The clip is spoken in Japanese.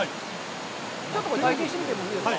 ちょっと体験してみてもいいですか？